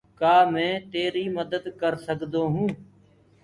ڪآ مينٚ تيري مدد ڪر سڪدو هونٚ۔